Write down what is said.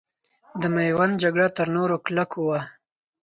د میوند جګړه تر نورو کلکو وه.